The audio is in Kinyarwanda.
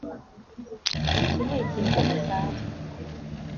Iki nikintu kidasanzwe